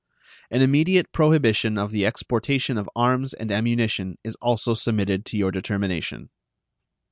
An immediate prohibition of the exportation of arms and ammunition is also submitted to your determination.